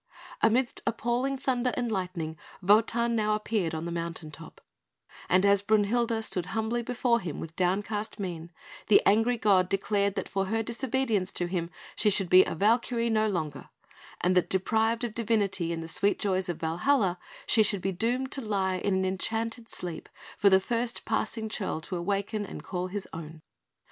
Amidst appalling thunder and lightning Wotan now appeared upon the mountain top; and as Brünhilde stood humbly before him, with downcast mien, the angry god declared that for her disobedience to him, she should be a Valkyrie no longer, and that, deprived of divinity and the sweet joys of Valhalla, she should be doomed to lie in an enchanted sleep, for the first passing churl to awaken and call his own.